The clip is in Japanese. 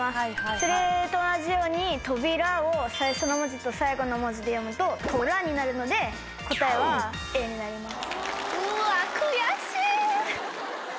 それと同じように「とびら」を最初の文字と最後の文字で読むと「とら」になるので答えはＡになります。